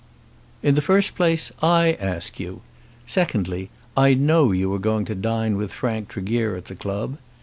"In the first place, I ask you. Secondly, I know you were going to dine with Frank Tregear, at the club.